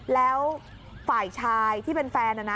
แล้วฝ่ายชายที่เป็นแฟนนะนะ